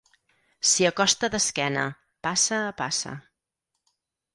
S'hi acosta d'esquena, passa a passa.